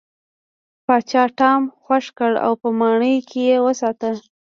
پاچا ټام خوښ کړ او په ماڼۍ کې یې وساته.